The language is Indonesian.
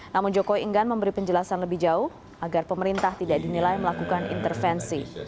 namun jokowi enggan memberi penjelasan lebih jauh agar pemerintah tidak dinilai melakukan intervensi